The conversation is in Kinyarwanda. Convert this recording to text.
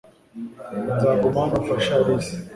Nzaguma hano mfashe alice .